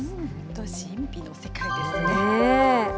神秘の世界ですね。